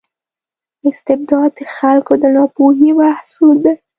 استبداد د خلکو د ناپوهۍ محصول دی.